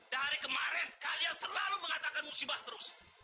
dari kemarin kalian selalu mengatakan musibah terus